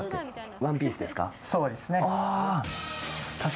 「ワンピース」ですか？